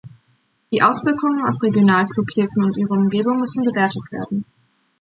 Die Auswirkungen auf Regionalflughäfen und ihre Umgebung müssen bewertet werden.